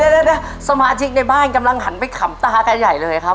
เดี๋ยวสมาชิกในบ้านกำลังหันไปขำตากันใหญ่เลยครับ